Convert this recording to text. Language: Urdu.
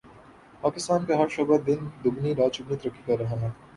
پاکستان کا ہر شعبہ دن دگنی رات چگنی ترقی کر رہا ہے